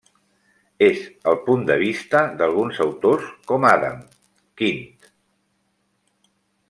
ÉS el punt de vista d'alguns autors com Adam, Quint.